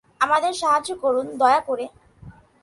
আমাদের সাহায্য করুন, দয়া করে!